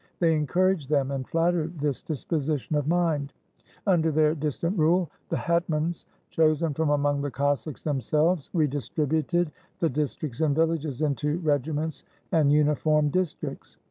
They encouraged them, and flattered this disposition of mind. Under their dis tant rule, the hetmans, chosen from among the Cossacks themselves, redistributed the districts and villages into regiments and uniform districts.